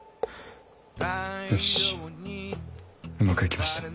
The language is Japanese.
よし。